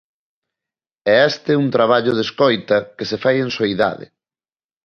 E este é un traballo de escoita que se fai en soidade.